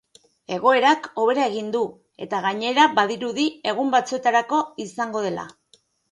Egoerak hobera egingo du, eta gainera badirudi egun batzuetarako izango dela.